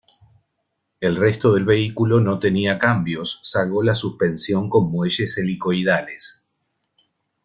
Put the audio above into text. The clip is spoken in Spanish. El resto del vehículo no tenía cambios, salvo la suspensión con muelles helicoidales.